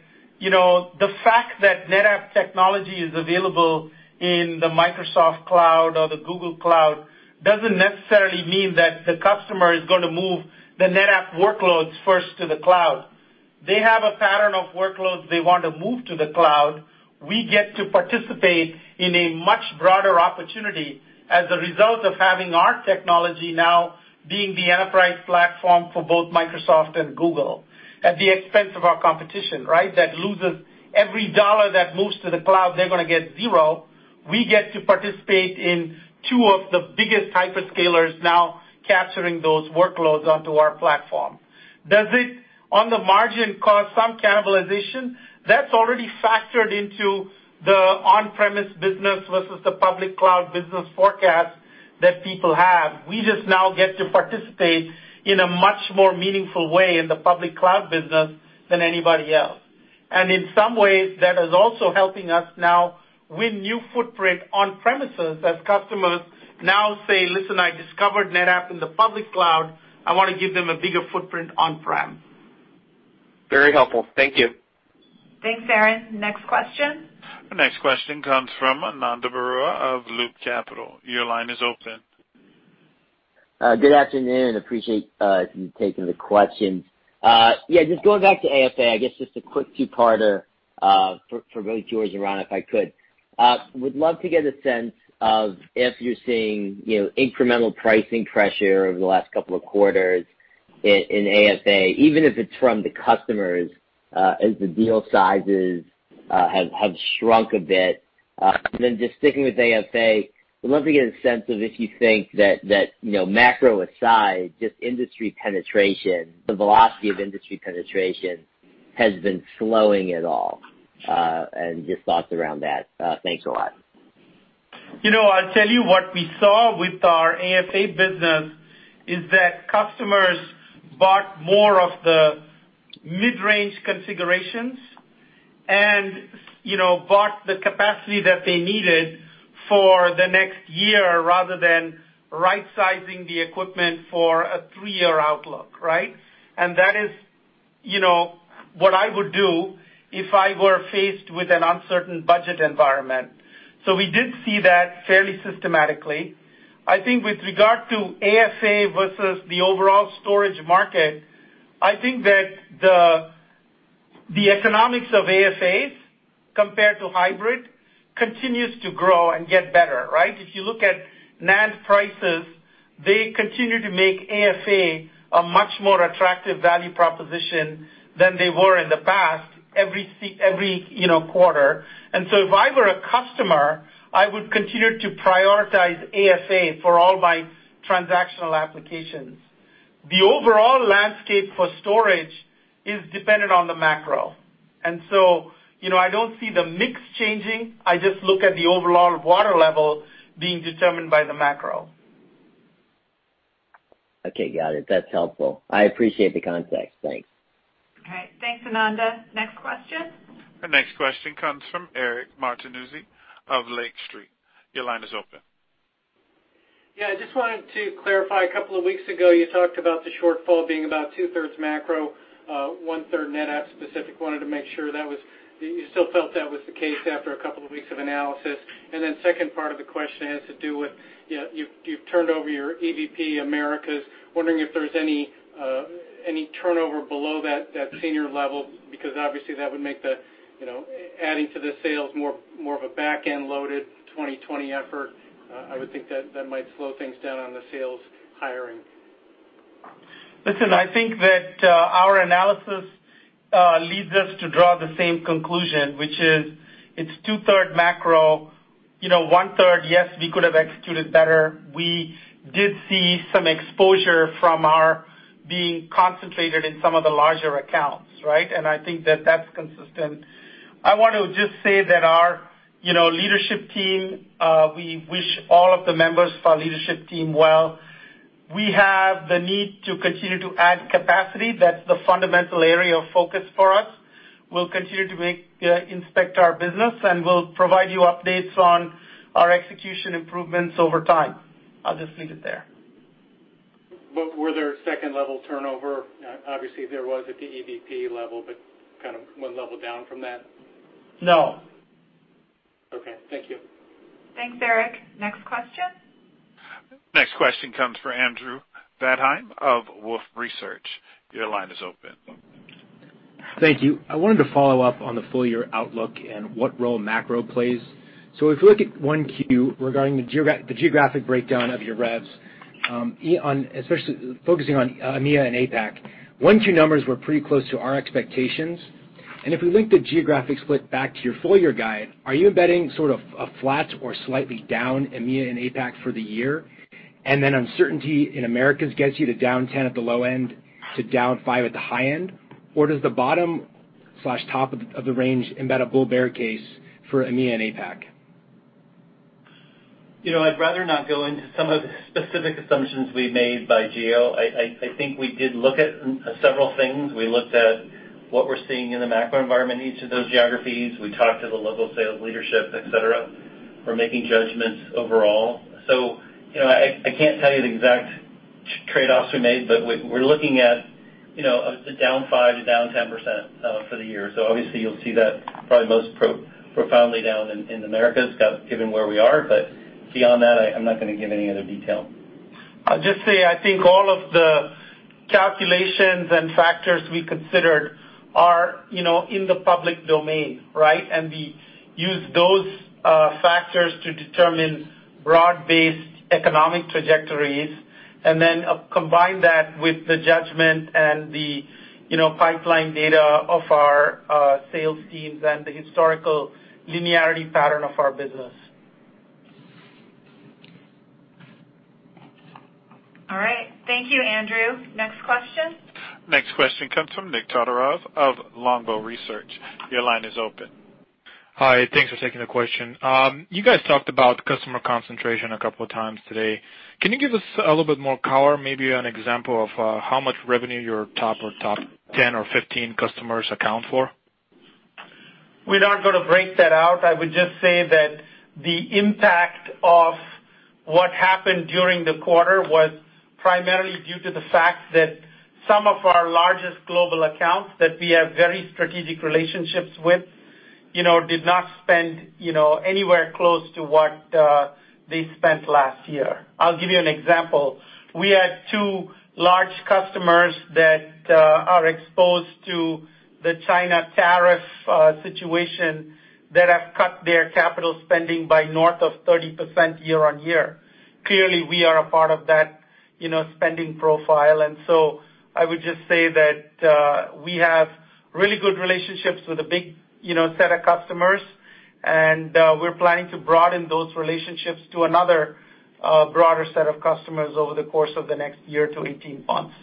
the fact that NetApp technology is available in the Microsoft Cloud or the Google Cloud does not necessarily mean that the customer is going to move the NetApp workloads first to the cloud. They have a pattern of workloads they want to move to the cloud. We get to participate in a much broader opportunity as a result of having our technology now being the enterprise platform for both Microsoft and Google at the expense of our competition, right? That loses every dollar that moves to the cloud, they are going to get zero. We get to participate in two of the biggest hyperscalers now capturing those workloads onto our platform. Does it, on the margin, cause some cannibalization? That is already factored into the on-premises business versus the Public Cloud business forecast that people have. We just now get to participate in a much more meaningful way in the Public Cloud business than anybody else. In some ways, that is also helping us now win new footprint on premises as customers now say, "Listen, I discovered NetApp in the public cloud. I want to give them a bigger footprint on-prem." Very helpful. Thank you. Thanks, Aaron. Next question. Next question comes from Ananda Baruah of Loop Capital. Your line is open. Good afternoon. Appreciate you taking the question. Yeah. Just going back to AFA, I guess just a quick two-parter for both of you, Ron, if I could. Would love to get a sense of if you're seeing incremental pricing pressure over the last couple of quarters in AFA, even if it's from the customers as the deal sizes have shrunk a bit. Just sticking with AFA, would love to get a sense of if you think that macro aside, just industry penetration. The velocity of industry penetration has been slowing at all and just thoughts around that. Thanks a lot. I'll tell you what we saw with our AFA business is that customers bought more of the midrange configurations and bought the capacity that they needed for the next year rather than right-sizing the equipment for a three-year outlook, right? That is what I would do if I were faced with an uncertain budget environment. We did see that fairly systematically. I think with regard to AFA versus the overall storage market, I think that the economics of AFAs compared to hybrid continues to grow and get better, right? If you look at NAND prices, they continue to make AFA a much more attractive value proposition than they were in the past every quarter. If I were a customer, I would continue to prioritize AFA for all my transactional applications. The overall landscape for storage is dependent on the macro. I do not see the mix changing. I just look at the overall water level being determined by the macro. Okay. Got it. That's helpful. I appreciate the context. Thanks. Okay. Thanks, Ananda. Next question. Next question comes from Eric Martinuzzi of Lake Street. Your line is open. Yeah. I just wanted to clarify. A couple of weeks ago, you talked about the shortfall being about 2/3 macro, 1/3 NetApp specific. Wanted to make sure that you still felt that was the case after a couple of weeks of analysis. The second part of the question has to do with you've turned over your EVP Americas. Wondering if there's any turnover below that senior level because obviously that would make the adding to the sales more of a back-end-loaded 2020 effort. I would think that that might slow things down on the sales hiring. Listen, I think that our analysis leads us to draw the same conclusion, which is it's 2/3 macro, 1/3, yes, we could have executed better. We did see some exposure from our being concentrated in some of the larger accounts, right? I think that that's consistent. I want to just say that our leadership team, we wish all of the members of our leadership team well. We have the need to continue to add capacity. That's the fundamental area of focus for us. We'll continue to inspect our business, and we'll provide you updates on our execution improvements over time. I'll just leave it there. Were there second-level turnover? Obviously, there was at the EVP level, but kind of one level down from that. No. Okay. Thank you. Thanks, Eric. Next question. Next question comes from Andrew Vadheim of Wolfe Research. Your line is open. Thank you. I wanted to follow up on the full-year outlook and what role macro plays. If we look at 1Q regarding the geographic breakdown of your revs, especially focusing on EMEA and APAC, 1Q numbers were pretty close to our expectations. If we link the geographic split back to your full-year guide, are you embedding sort of a flat or slightly down EMEA and APAC for the year, and then uncertainty in Americas gets you to down 10% at the low end to down 5% at the high end? Does the bottom/top of the range embed a bull-bear case for EMEA and APAC? I'd rather not go into some of the specific assumptions we made by geo. I think we did look at several things. We looked at what we're seeing in the macro environment in each of those geographies. We talked to the local sales leadership, etc. We're making judgments overall. I can't tell you the exact trade-offs we made, but we're looking at the down 5%-10% for the year. Obviously, you'll see that probably most profoundly down in Americas given where we are. Beyond that, I'm not going to give any other detail. I'll just say I think all of the calculations and factors we considered are in the public domain, right? We use those factors to determine broad-based economic trajectories and then combine that with the judgment and the pipeline data of our sales teams and the historical linearity pattern of our business. All right. Thank you, Andrew. Next question. Next question comes from Nik Todorov of Longbow Research. Your line is open. Hi. Thanks for taking the question. You guys talked about customer concentration a couple of times today. Can you give us a little bit more color, maybe an example of how much revenue your top or top 10 or 15 customers account for? We're not going to break that out. I would just say that the impact of what happened during the quarter was primarily due to the fact that some of our largest global accounts that we have very strategic relationships with did not spend anywhere close to what they spent last year. I'll give you an example. We had two large customers that are exposed to the China tariff situation that have cut their capital spending by north of 30% year-on-year. Clearly, we are a part of that spending profile. I would just say that we have really good relationships with a big set of customers, and we're planning to broaden those relationships to another broader set of customers over the course of the next year to 18 months.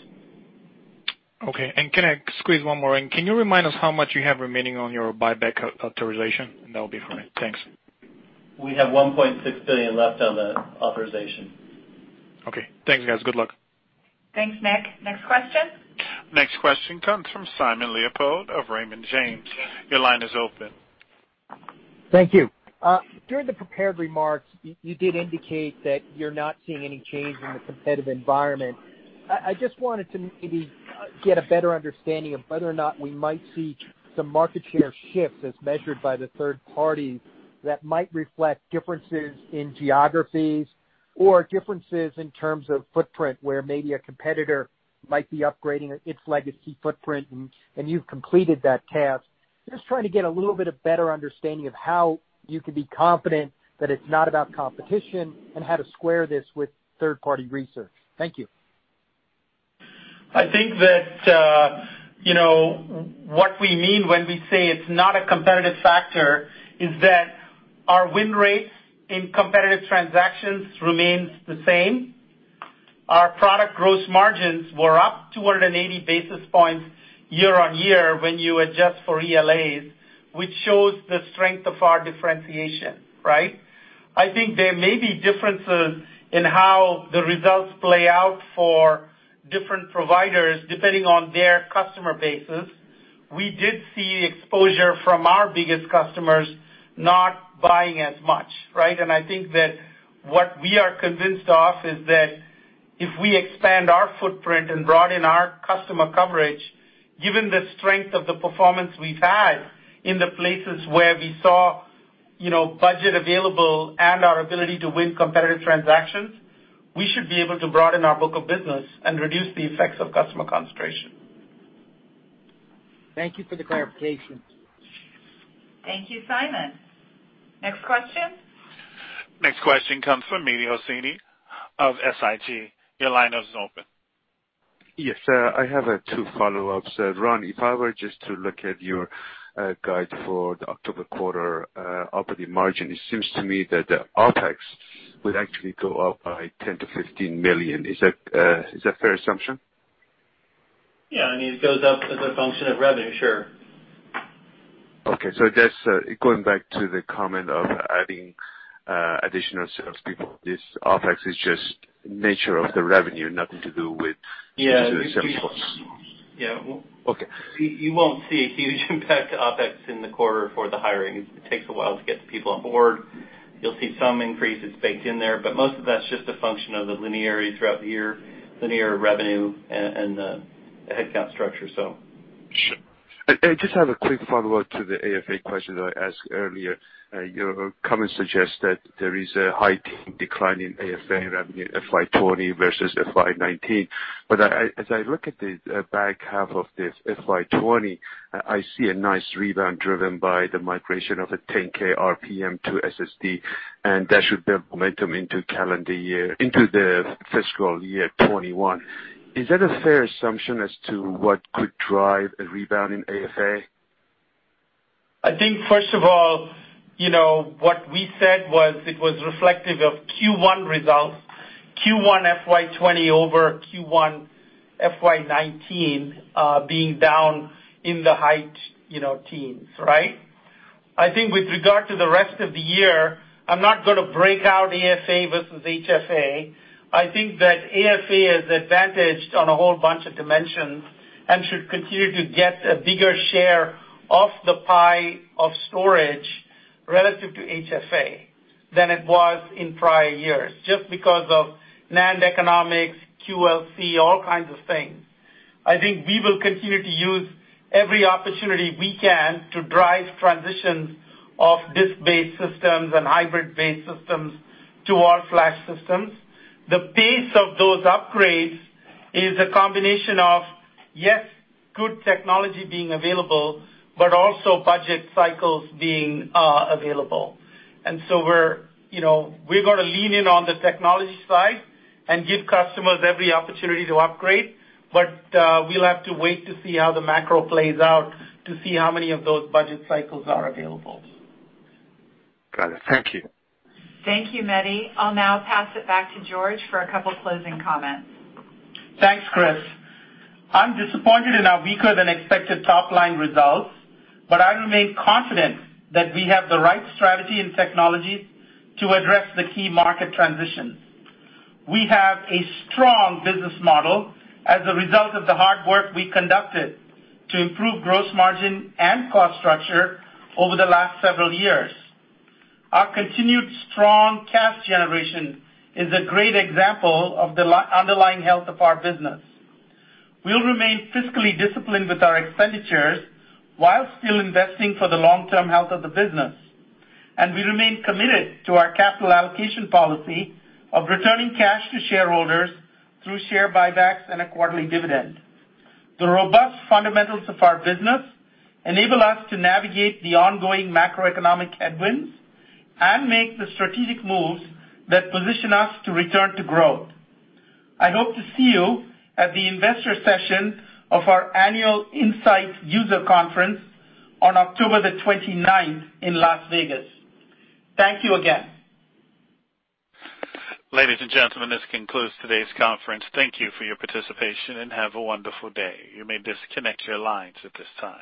Okay. Can I squeeze one more in? Can you remind us how much you have remaining on your buyback authorization? That will be fine. Thanks. We have $1.6 billion left on the authorization. Okay. Thanks, guys. Good luck. Thanks, Nik. Next question. Next question comes from Simon Leopold of Raymond James. Your line is open. Thank you. During the prepared remarks, you did indicate that you're not seeing any change in the competitive environment. I just wanted to maybe get a better understanding of whether or not we might see some market share shifts as measured by the third parties that might reflect differences in geographies or differences in terms of footprint where maybe a competitor might be upgrading its legacy footprint, and you've completed that task. Just trying to get a little bit of better understanding of how you can be confident that it's not about competition and how to square this with third-party research. Thank you. I think that what we mean when we say it's not a competitive factor is that our win rate in competitive transactions remains the same. Our product gross margins were up 280 basis points year-on-year when you adjust for ELAs, which shows the strength of our differentiation, right? I think there may be differences in how the results play out for different providers depending on their customer bases. We did see exposure from our biggest customers not buying as much, right? I think that what we are convinced of is that if we expand our footprint and broaden our customer coverage, given the strength of the performance we've had in the places where we saw budget available and our ability to win competitive transactions, we should be able to broaden our book of business and reduce the effects of customer concentration. Thank you for the clarification. Thank you, Simon. Next question. Next question comes from Mehdi Hosseini of SIG. Your line is open. Yes. I have two follow-ups. Ron, if I were just to look at your guide for the October quarter operating margin, it seems to me that the OpEx would actually go up by $10 million-$15 million. Is that a fair assumption? Yeah. I mean, it goes up as a function of revenue. Sure. Okay. Going back to the comment of adding additional salespeople, this OpEx is just nature of the revenue, nothing to do with the sales force. Yeah. You won't see a huge impact to OpEx in the quarter for the hiring. It takes a while to get the people on board. You'll see some increases baked in there, but most of that's just a function of the linearity throughout the year, linear revenue, and the headcount structure, so. Sure. I just have a quick follow-up to the AFA question that I asked earlier. Your comments suggest that there is a high declining AFA revenue, FY2020 versus FY2019. As I look at the back half of the FY2020, I see a nice rebound driven by the migration of a 10K RPM to SSD, and that should build momentum into the fiscal year 2021. Is that a fair assumption as to what could drive a rebound in AFA? I think, first of all, what we said was it was reflective of Q1 results, Q1 FY2020 over Q1 FY2019 being down in the high teens, right? I think with regard to the rest of the year, I'm not going to break out AFA versus HFA. I think that AFA is advantaged on a whole bunch of dimensions and should continue to get a bigger share of the pie of storage relative to HFA than it was in prior years just because of NAND economics, QLC, all kinds of things. I think we will continue to use every opportunity we can to drive transitions of disk-based systems and hybrid-based systems to all-flash systems. The pace of those upgrades is a combination of, yes, good technology being available, but also budget cycles being available. We're going to lean in on the technology side and give customers every opportunity to upgrade, but we'll have to wait to see how the macro plays out to see how many of those budget cycles are available. Got it. Thank you. Thank you, Mehdi. I'll now pass it back to George for a couple of closing comments. Thanks, Kris. I'm disappointed in our weaker-than-expected top-line results, but I remain confident that we have the right strategy and technology to address the key market transitions. We have a strong business model as a result of the hard work we conducted to improve gross margin and cost structure over the last several years. Our continued strong cash generation is a great example of the underlying health of our business. We will remain fiscally disciplined with our expenditures while still investing for the long-term health of the business. We remain committed to our capital allocation policy of returning cash to shareholders through share buybacks and a quarterly dividend. The robust fundamentals of our business enable us to navigate the ongoing macroeconomic headwinds and make the strategic moves that position us to return to growth. I hope to see you at the investor session of our Annual INSIGHT User Conference on October the 29th in Las Vegas. Thank you again. Ladies and gentlemen, this concludes today's conference. Thank you for your participation and have a wonderful day. You may disconnect your lines at this time.